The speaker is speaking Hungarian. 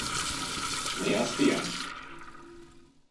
Mi az, fiam?